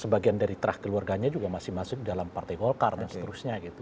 sebagian dari terah keluarganya juga masih masuk dalam partai golkar dan seterusnya gitu